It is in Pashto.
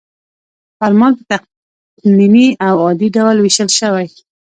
فرمان په تقنیني او عادي ډول ویشل شوی.